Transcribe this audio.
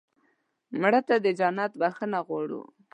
مړه ته د جنت بښنه غواړو